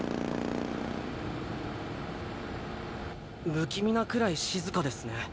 不気味なくらい静かですね。